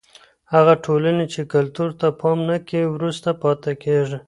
هغه ټولني چی کلتور ته پام نه کوي وروسته پاته کیږي.